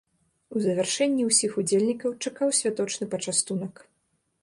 У завяршэнні ўсіх удзельнікаў чакаў святочны пачастунак.